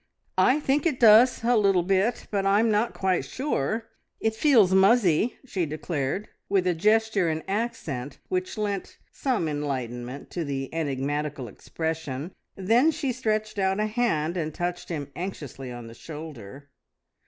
"I think it does a little bit, but I'm not quite sure. It feels muzzy!" she declared, with a gesture and accent which lent some enlightenment to the enigmatical expression. Then she stretched out a hand, and touched him anxiously on the shoulder.